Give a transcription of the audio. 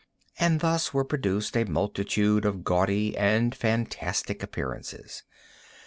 And thus were produced a multitude of gaudy and fantastic appearances.